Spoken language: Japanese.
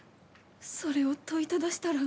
それを問いただしたら。